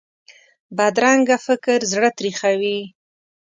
بدرنګه فکر زړه تریخوي